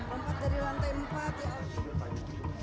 lompat dari lantai empat